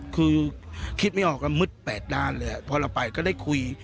คือคิดไม่ออกแล้วมืดแปดด้านเลยพอเราไปก็ได้คุย